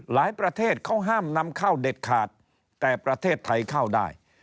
ประเทศเขาห้ามนำเข้าเด็ดขาดแต่ประเทศไทยเข้าได้